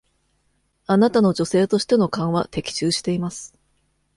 あなたの女性としての勘は的中しています。